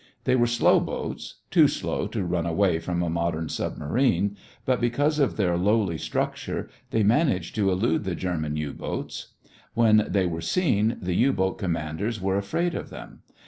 They were slow boats; too slow to run away from a modern submarine, but because of their lowly structure, they managed to elude the German U boats. When they were seen, the U boat commanders were afraid of them.